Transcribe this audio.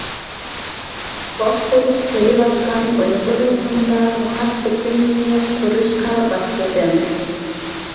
ئوت بولۇپ كۆيۈۋاتقان تۇيغۇلىرىمدا مۇھەببىتىمنى قورۇشقا باشلىدىم.